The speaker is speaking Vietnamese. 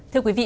thưa quý vị